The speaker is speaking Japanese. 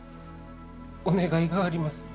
お願いがあります。